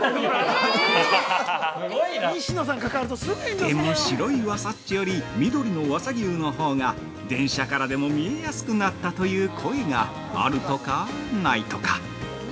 でも、白いわさっちより、緑のわさぎゅのほうが、電車からでも見えやすくなったという声があるとか、ないとか。